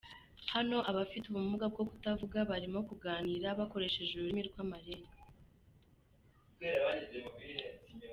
Hano abafite ubumuga bwo kutavuga barimo kuganira bakoresheje ururimi rw'amarenga.